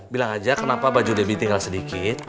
bilang aja kenapa baju debbie tinggal sedikit